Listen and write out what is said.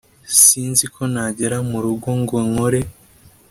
sinziko nagera mu rugo ngo nkore